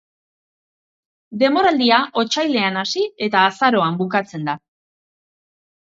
Denboraldia otsailean hasi eta azaroan bukatzen da.